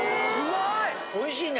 おいしいね！